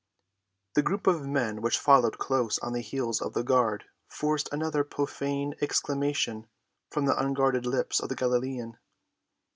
The group of men which followed close on the heels of the guard forced another profane exclamation from the unguarded lips of the Galilean.